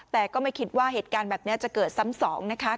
แต่ก็ไม่คิดว่าเหตุการณ์แบบนี้จะเกิดซ้ำสองนะคะ